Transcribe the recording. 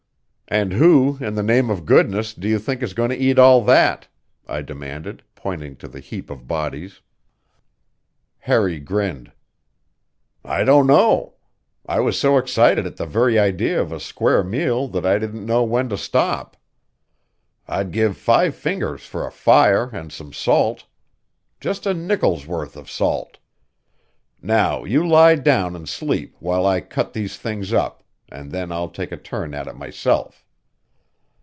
"And who, in the name of goodness, do you think is going to eat all that?" I demanded, pointing to the heap of bodies. Harry grinned. "I don't know. I was so excited at the very idea of a square meal that I didn't know when to stop. I'd give five fingers for a fire and some salt. Just a nickel's worth of salt. Now, you lie down and sleep while I cut these things up, and then I'll take a turn at it myself?"